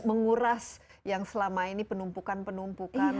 menguras yang selama ini penumpukan penumpukan